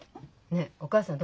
ねえお母さん